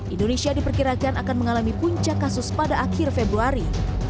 indonesia diperkirakan akan mengalami puncak kasus pada akhir februari